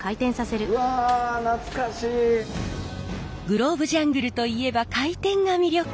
グローブジャングルといえば回転が魅力。